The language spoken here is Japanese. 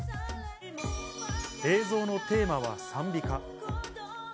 映像のテーマは賛美歌。